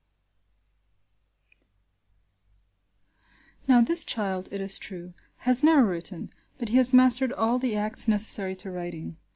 Now this child, it is true, has never written, but he has mastered all the acts necessary to writing.